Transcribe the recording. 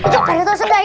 jangan balik lagi dayi